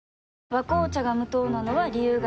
「和紅茶」が無糖なのは、理由があるんよ。